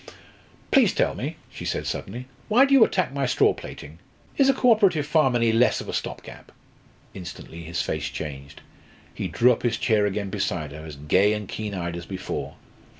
"Please tell me," she said suddenly, "why do you attack my straw plaiting? Is a co operative farm any less of a stopgap?" Instantly his face changed. He drew up his chair again beside her, as gay and keen eyed as before.